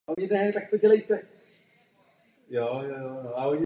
Vyznamenání uděluje prezident republiky na návrh vlády.